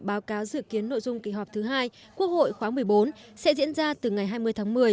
báo cáo dự kiến nội dung kỳ họp thứ hai quốc hội khóa một mươi bốn sẽ diễn ra từ ngày hai mươi tháng một mươi